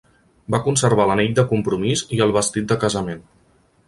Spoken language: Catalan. Va conservar l'anell de compromís i el vestit de casament.